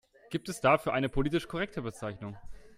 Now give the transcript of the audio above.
Gibt es dafür eine politisch korrekte Bezeichnung?